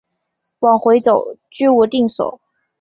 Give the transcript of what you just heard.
往回走居无定所